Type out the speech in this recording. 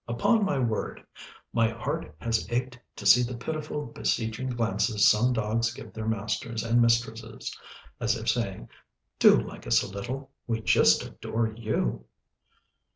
Upon my word, my heart has ached to see the pitiful, beseeching glances some dogs give their masters and mistresses, as if saying, "Do like us a little we just adore you."